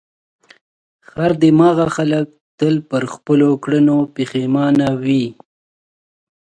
خر دماغه خلک تل پر خپلو کړنو پښېمانه وي.